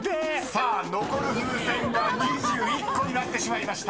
［さあ残る風船が２１個になってしまいました］